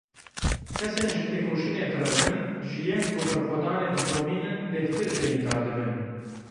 Kesên ji têkoşînê direvin, ji yên ku berxwedanê didomînin bêhtir birîndar dibin.